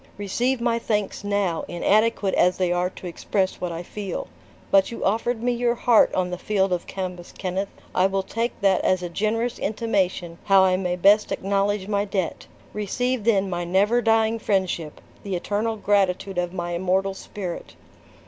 "Receive my thanks now, inadequate as they are to express what I feel. But you offered me your heart on the field of Cambus Kenneth; I will take that as a generous intimation how I may best acknowledge my debt. Receive then my never dying friendship, the eternal gratitude of my immortal spirit."